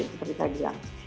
seperti saya bilang